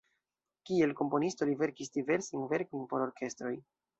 Kiel komponisto li verkis diversajn verkojn por orkestroj.